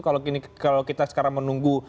kalau kita sekarang menunggu